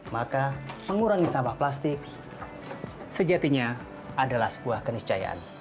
maka mengurangi sampah plastik sejatinya adalah sebuah keniscayaan